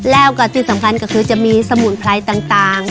แล้วก็ที่สำคัญก็คือจะมีสมุนไพรต่าง